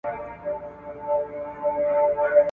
حرص غالب سي عقل ولاړ سي مرور سي `